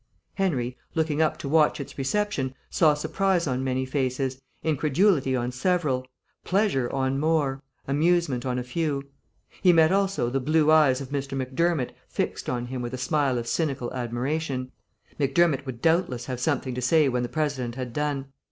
Henry, looking up to watch its reception, saw surprise on many faces, incredulity on several, pleasure on more, amusement on a few. He met also the blue eyes of Mr. Macdermott fixed on him with a smile of cynical admiration. Macdermott would doubtless have something to say when the President had done.